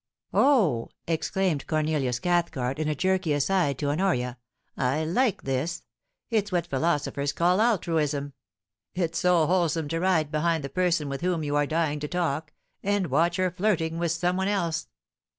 * Oh '/ exclaimed Cornelius Cathcart, in a jerky aside to Honoria, * I like this. It's what philosophers call altruism. It's so wholesome to ride behind the person with whom you are dying to talk, and watch her flirting with some one else.